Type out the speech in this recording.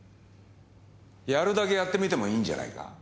やるだけやってみてもいいんじゃないか。